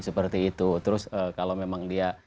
seperti itu terus kalau memang dia